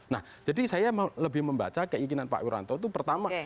nah jadi saya lebih membaca keinginan pak wiranto itu pertama